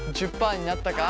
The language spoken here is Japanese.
１０％になったか？